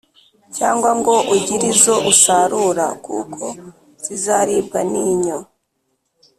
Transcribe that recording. cyangwa ngo ugire izo usarura, kuko zizaribwa n’inyo.